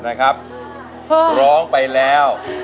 นี่คือเพลงที่นี่